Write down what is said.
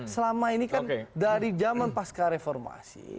selama ini kan dari zaman pasca reformasi